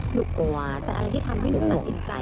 หนูกลัวแต่อะไรที่ทำให้หนูตัดสินใจ